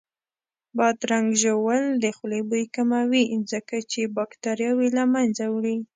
بادرنګ ژوول د خولې بوی کموي ځکه چې باکتریاوې له منځه وړي